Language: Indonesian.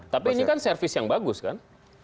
tapi ini kan servis yang bagus kan